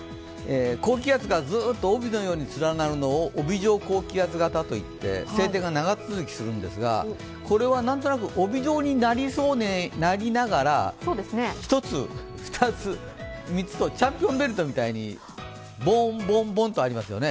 高気圧がずっと帯のように連なるのを帯状高気圧といって晴天が長続きするんですが、これは何となく帯状になりそうになりながら、チャンピオンベルトみたいに、ボンボン、ボンとありますよね。